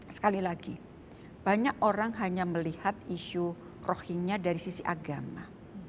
sekali lagi banyak orang hanya melihat isu rohingya dari sisi agama